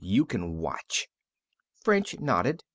You can watch." French nodded.